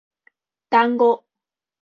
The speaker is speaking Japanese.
だんご